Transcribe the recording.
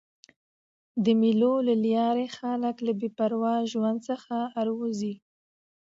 د مېلو له لاري خلک له بې پروا ژوند څخه راوځي.